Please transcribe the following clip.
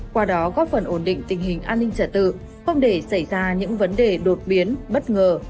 qua đó góp phần ổn định tình hình an ninh trả tự không để xảy ra những vấn đề đột biến bất ngờ